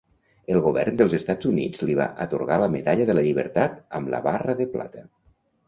El govern dels Estats Units li va atorgar la Medalla de la Llibertat amb la barra de plata.